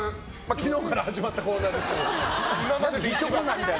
昨日から始まったコーナーですけど。